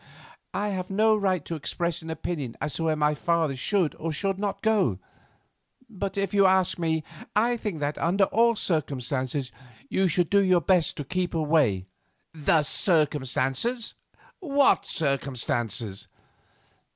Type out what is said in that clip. "I have no right to express an opinion as to where my father should or should not go; but if you ask me, I think that, under all the circumstances, you would do best to keep away." "The circumstances! What circumstances?"